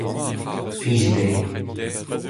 plijet eo.